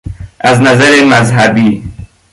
از نظر مذهبی